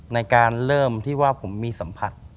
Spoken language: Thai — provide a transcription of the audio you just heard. ในการเริ่มที่ว่าผมมีสัมผัส